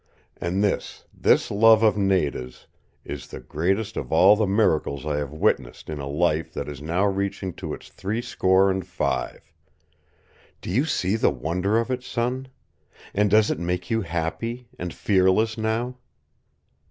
And this this love of Nada's is the greatest of all the miracles I have witnessed in a life that is now reaching to its three score and five. Do you see the wonder of it, son? And does it make you happy, and fearless now?"